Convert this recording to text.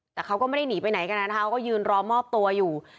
แต่เขาก็ไม่ได้หนีไปไหนก็ยืนรอมอบตัวอยู่